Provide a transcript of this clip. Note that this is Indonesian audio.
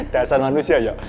dasar manusia ya